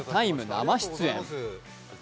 生出演。